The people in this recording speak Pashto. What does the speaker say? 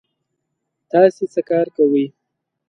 تاسې څه کار کوی؟